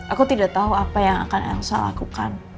aku tidak tahu apa yang akan elsa lakukan